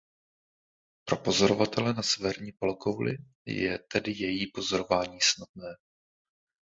Pro pozorovatele na severní polokouli je tedy její pozorování snadné.